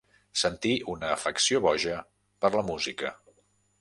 Sentir una afecció boja per la música.